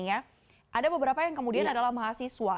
ada beberapa yang kemudian adalah mahasiswa